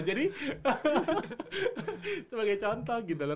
jadi sebagai contoh gitu loh